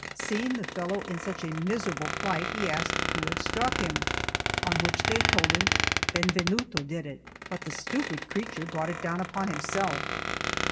Seeing the fellow in such a miserable plight, he asked who had struck him; on which they told him: "Benvenuto did it, but the stupid creature brought it down upon himself."